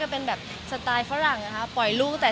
มีปิดฟงปิดไฟแล้วถือเค้กขึ้นมา